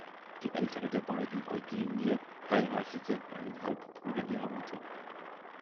Die ältere der beiden, Eugenie, heiratete einen Halbbruder ihrer Mutter.